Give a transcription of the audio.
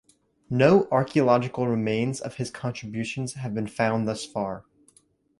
No archaeological remains of his contributions have been found thus far.